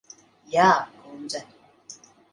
Jā, kundze.